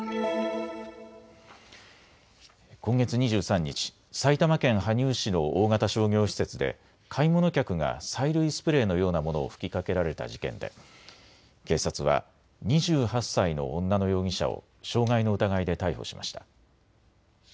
今月２３日、埼玉県羽生市の大型商業施設で買い物客が催涙スプレーのようなものを吹きかけられた事件で警察は２８歳の女の容疑者を傷害の疑いで逮捕しました。